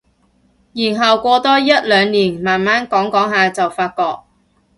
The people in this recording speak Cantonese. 然後過多一兩年慢慢講講下就發覺